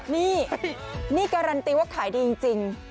นี่นี่การันตีว่าขายดีจริง